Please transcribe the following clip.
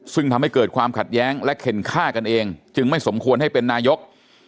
ซึ่งทำให้เกิดความขัดแย้งและเข็นฆ่ากันเองจึงไม่สมควรให้เป็นนายก